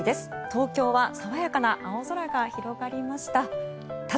東京は爽やかな青空が広がりました。